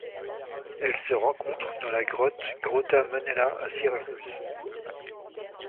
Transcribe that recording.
Elle se rencontre dans la grotte Grotta Monella à Syracuse.